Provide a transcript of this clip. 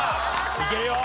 いけるよ！